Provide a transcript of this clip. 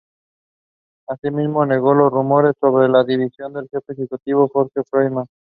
Asimismo, negó los rumores sobre la dimisión del Jefe Ejecutivo George Friedman.